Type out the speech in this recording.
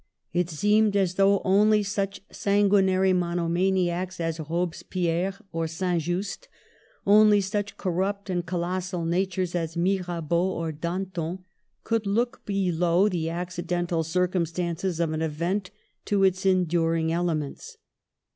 It seemed as though only such sanguinary monomaniacs as Robespierre or St. Just, only such corrupt and colossal natures as Mirabeau or Danton, could look below the accidental circumstances of an event to its enduring elements.